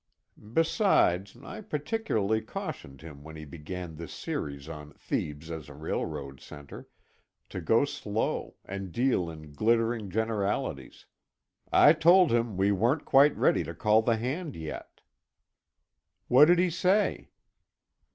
] "Besides, I particularly cautioned him when he began this series on 'Thebes as a Railroad Centre,' to go slow, and deal in glittering generalities. I told him we weren't quite ready to call the hand yet." "What did he say?"